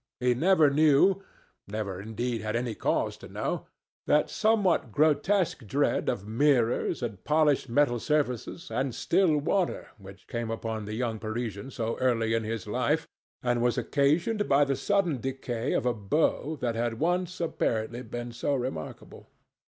He never knew—never, indeed, had any cause to know—that somewhat grotesque dread of mirrors, and polished metal surfaces, and still water which came upon the young Parisian so early in his life, and was occasioned by the sudden decay of a beau that had once, apparently, been so remarkable.